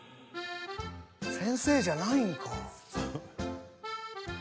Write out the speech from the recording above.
［先生じゃないんか］